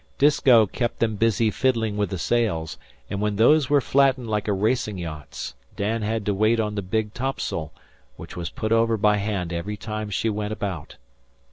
Disko kept them busy fiddling with the sails; and when those were flattened like a racing yacht's, Dan had to wait on the big topsail, which was put over by hand every time she went about.